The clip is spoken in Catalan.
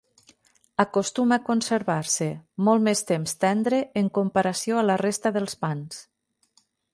Acostuma a conservar-se molt més temps tendre en comparació a la resta dels pans.